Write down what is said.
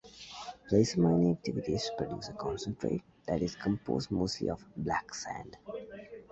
Placer mining activities produce a concentrate that is composed mostly of black sand.